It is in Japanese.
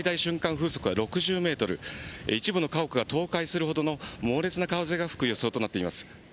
風速は６０メートル、一部の家屋が倒壊するほどの猛烈な風が吹く予想となっています。